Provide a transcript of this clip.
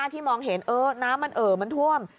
ที่มองเห็นน้ำมันเอ่อมันท่วม